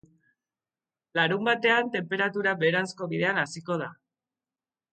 Larunbatean tenperatura beheranzko bidean hasiko da.